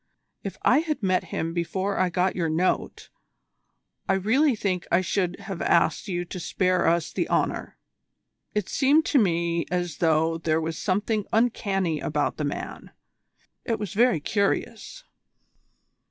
If I had met him before I got your note, I really think I should have asked you to spare us the honour. It seemed to me as though there was something uncanny about the man. It was very curious."